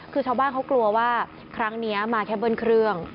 คือชาวบ้านเขากลัวว่าครั้งนี้มาแค่เบิ้ลเครื่อง